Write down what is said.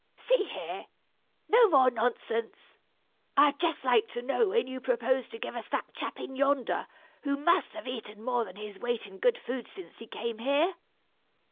"See here! No more nonsense! I'd just like to know when you propose to give us that chap in yonder, who must have eaten more than his weight in good food since he came here?"